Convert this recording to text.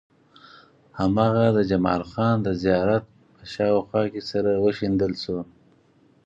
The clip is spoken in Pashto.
هماغه د جمال خان د زيارت په شاوخوا کې سره وشيندل شو.